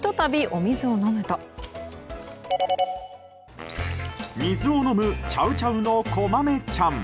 水を飲むチャウチャウのこまめちゃん。